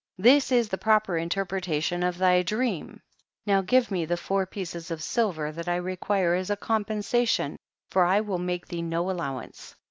39. This is the proper interpreta tion of thy dream, now give me the four pieces of silver that I require as a compensation, for I will make thee no allowance.